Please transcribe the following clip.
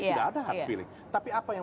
tidak ada hard feeling tapi apa yang